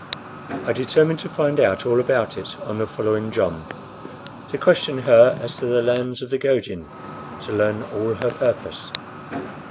I determined to find out all about it on the following jom to question her as to the lands of the Gojin, to learn all her purpose.